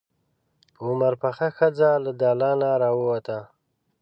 په عمر پخه ښځه له دالانه راووته.